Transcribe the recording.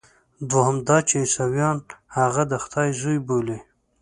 دوهم دا چې عیسویان هغه د خدای زوی بولي.